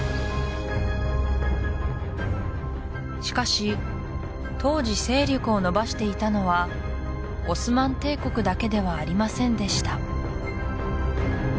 しかし当時勢力を伸ばしていたのはオスマン帝国だけではありませんでした